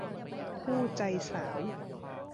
คู่ใจสาว